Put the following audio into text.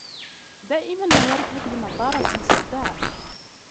دائماً ما يرتدي نظارة سوداء.